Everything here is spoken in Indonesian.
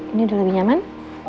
ini udah lebih nyaman